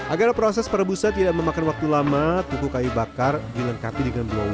agar proses perebusan tidak memakan waktu lama tuku kayu bakar dilengkapi dengan blower